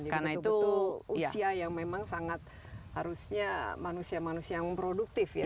karena itu usia yang memang sangat harusnya manusia manusia yang produktif ya